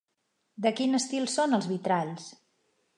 De quin estil són els vitralls?